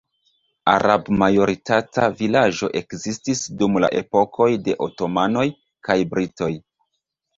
Arab-majoritata vilaĝo ekzistis dum la epokoj de Otomanoj kaj Britoj.